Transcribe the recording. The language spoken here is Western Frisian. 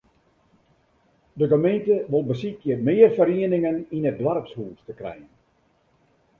De gemeente wol besykje mear ferieningen yn it doarpshûs te krijen.